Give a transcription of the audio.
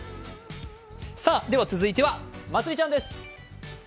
続いては、まつりちゃんです